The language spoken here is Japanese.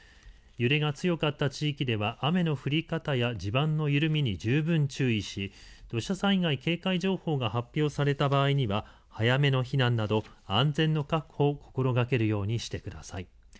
揺れが強かった地域では雨の降り方や地盤の緩みに十分、注意し土砂災害警戒情報が発表された場合には早めの避難など安全の確保を心がけるようにしてください。